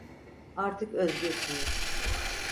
Artık özgürsünüz.